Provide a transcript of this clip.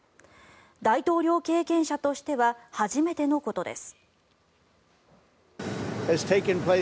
大統領経験者としては初めてのことです。